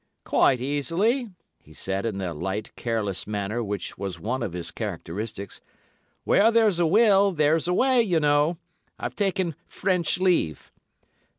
"'Quite easily,' he said in the light, careless manner which was one of his characteristics. 'Where there's a will, there's a way, you know. I've taken French leave.